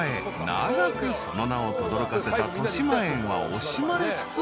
長くその名をとどろかせたとしまえんは惜しまれつつ閉園］